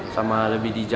sama lebih diinginkan